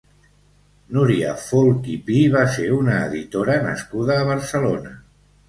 Núria Folch i Pi va ser una editora nascuda a Barcelona.